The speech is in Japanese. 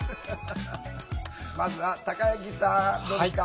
まずはたかゆきさんどうですか？